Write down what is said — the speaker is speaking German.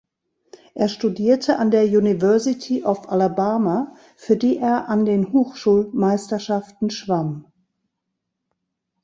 Er studierte an der University of Alabama, für die er an den Hochschulmeisterschaften schwamm.